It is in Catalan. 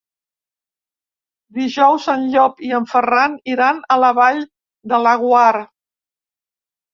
Dijous en Llop i en Ferran iran a la Vall de Laguar.